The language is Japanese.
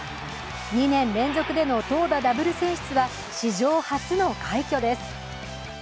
２年連続での投打ダブル選出は史上初の快挙です。